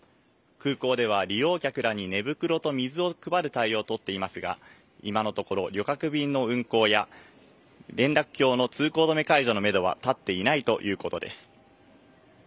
空港では利用客らに寝袋と水を配る対応を取っていますが、今のところ旅客便の運航や連絡橋の通行止め解除のメドは立っていないということです。